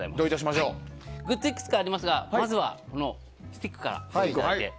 グッズはいくつかありますがまずはスティックから。